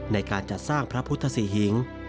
ในการจัดสร้างพระพุทธศรีหิง